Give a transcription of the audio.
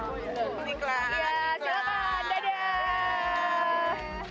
iya silakan dadah